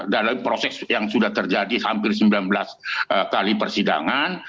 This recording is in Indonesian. dalam proses yang sudah terjadi hampir sembilan belas kali persidangan